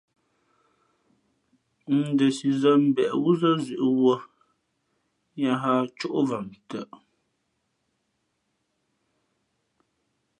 Ndα sǐ zᾱ mbeʼ wúzᾱ zʉ̌ʼ wūᾱ , yā hᾱ ǎ cóʼvam tα̌.